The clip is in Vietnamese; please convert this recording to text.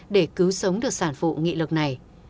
để cứu sống được sản phụ nghị lực này